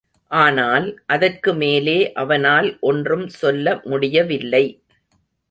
ஆனால், அதற்கு மேலே அவனால் ஒன்றும் சொல்ல முடியவில்லை.